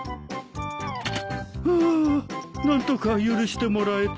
ふう何とか許してもらえた。